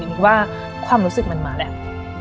มีความรู้สึกมันมาแหละ